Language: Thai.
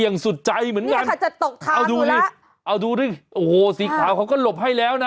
อย่างสุดใจเหมือนกันเอาดูดิเอาดูดิโอ้โหสีขาวเขาก็หลบให้แล้วนะ